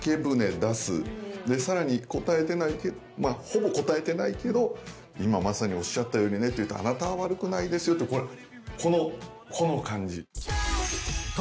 さらにほぼ答えてないけど「今まさにおっしゃったようにね」って言うとあなたは悪くないですよってこの感じ。